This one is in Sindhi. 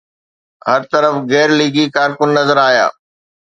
هر طرف غير ليگي ڪارڪن نظر آيا.